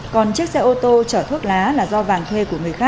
còn chiếc xe ô tô trở thuốc lá là do vàng thuê